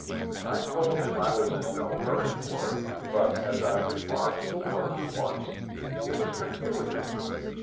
I told him I was in no hurry for it, but as I've remarked more than once, he was peculiar.